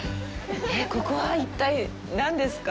ここは一体何ですか。